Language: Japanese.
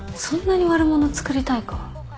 そんなに悪者つくりたいか？